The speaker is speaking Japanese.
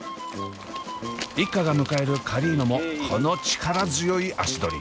一家が迎えるカリーノもこの力強い足取り！